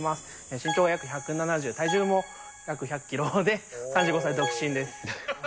身長は約１７０、体重も約１００キロで、３５歳独身です。